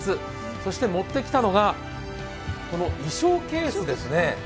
そして持ってきたのが、衣装ケースですね。